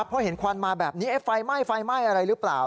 เพราะเห็นควันมาแบบนี้ไฟไหม้ไฟไหม้อะไรหรือเปล่า